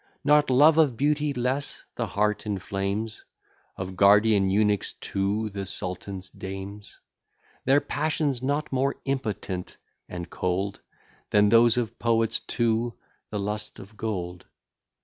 Not love of beauty less the heart inflames Of guardian eunuchs to the sultan's dames, Their passions not more impotent and cold, Than those of poets to the lust of gold.